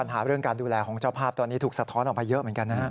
เรื่องการดูแลของเจ้าภาพตอนนี้ถูกสะท้อนออกไปเยอะเหมือนกันนะฮะ